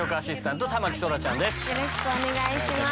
よろしくお願いします。